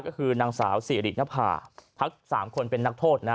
ก็คือนางสาวศรีหลีกรนภาพทัก๓คนเป็นนักโทษ